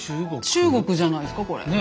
中国じゃないですかこれ。